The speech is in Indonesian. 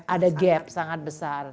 ada gap sangat besar